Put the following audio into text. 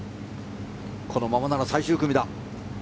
このままなら最終組だ。